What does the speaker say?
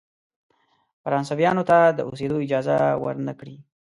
فرانسویانو ته د اوسېدلو اجازه ورنه کړی.